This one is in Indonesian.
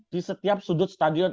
di setiap sudut stadion